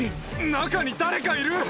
中に誰かいる！